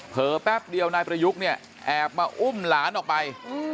แป๊บเดียวนายประยุกต์เนี่ยแอบมาอุ้มหลานออกไป